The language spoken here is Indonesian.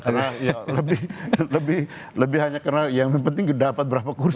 karena lebih hanya karena yang penting dapat berapa kursus